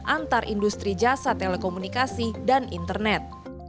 antar industri jasa telekomunikasi dan internet